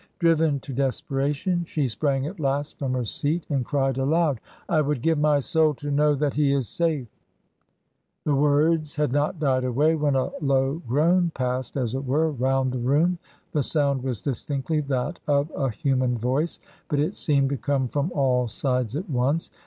Driven to desperation she sprang at last from her seat and cried aloud. "I would give my soul to know that he is safe!" The words had not died away when a low groan passed, as it were, round the room. The sound was distinctly that of a human voice, but it seemed to come from all sides at once.